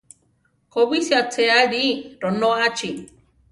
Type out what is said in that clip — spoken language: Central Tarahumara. Kobísi aché aʼli, ronóachi.